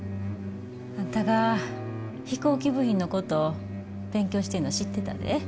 あんたが飛行機部品のこと勉強してんのは知ってたで。